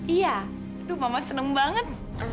iya aduh mama seneng banget